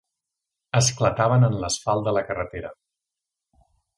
Esclataven en l'asfalt de la carretera.